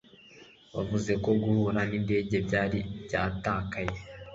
Bavuze ko guhura nindege byari byatakaye